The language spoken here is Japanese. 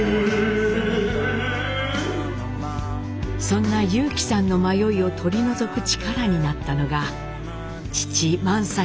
そんな裕基さんの迷いを取り除く力になったのが父萬斎さんの背中。